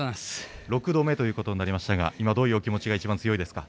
６度目ということになりましたが今、どういうお気持ちが一番強いですか？